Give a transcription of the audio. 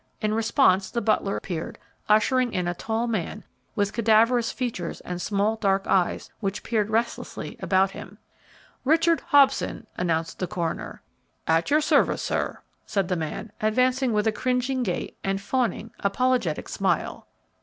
In response the butler appeared, ushering in a tall man, with cadaverous features and small, dark eyes, which peered restlessly about him. "Richard Hobson," announced the coroner. "At your service, sir," said the man, advancing with a cringing gait and fawning, apologetic smile. "Mr.